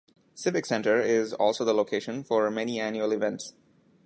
Civic Center is also the location for many annual events.